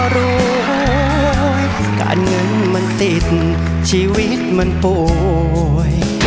รวยการเงินมันติดชีวิตมันป่วย